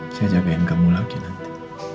saya jagain kamu lagi nanti